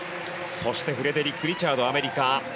そしてフレデリック・リチャードアメリカ。